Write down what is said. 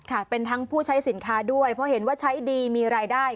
ค่ะเป็นทั้งผู้ใช้สินค้าด้วยเพราะเห็นว่าใช้ดีมีรายได้